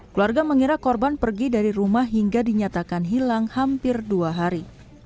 keluarga mengira korban pergi dari rumah hingga dinyatakan hilang hampir dua hari